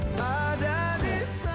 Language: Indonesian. aku juga sering ingetin kamu